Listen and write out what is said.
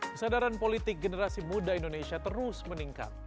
kesadaran politik generasi muda indonesia terus meningkat